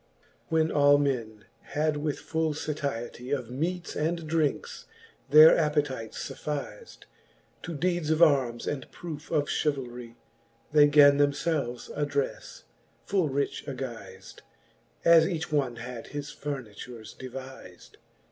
IV. When all men had with full fatistie Of meates and drinkes their appetites fuffiz'd. To deedes of armes and proofe of chevahis They gan themfelves addrefle, full rich aguizM, As each one had his furnitures deviz'd.